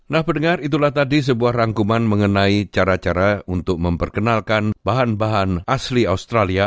nah pendengar itulah tadi sebuah rangkuman mengenai cara cara untuk memperkenalkan bahan bahan asli australia